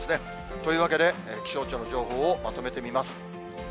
というわけで、気象庁の情報をまとめてみます。